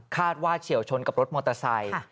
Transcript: คาดว่าเฉียวชนน้ำรถมอเตอร์ไซต์